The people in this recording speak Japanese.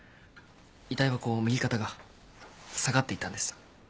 遺体はこう右肩が下がっていたんです。